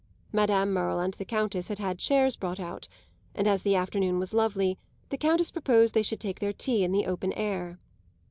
Madame Merle and the Countess had had chairs brought out, and as the afternoon was lovely the Countess proposed they should take their tea in the open air.